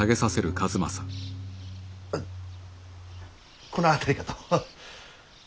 あこの辺りかと。